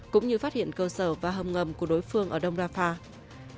cũng như phát hiện cơ sở và hầm ngầm của đối phương ở đông rafah